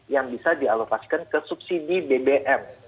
yang bisa dialokasikan ke subsidi bbm